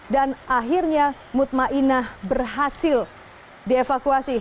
dan akhirnya mutma inah berhasil dievakuasi